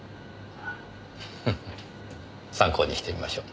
参考にしてみましょう。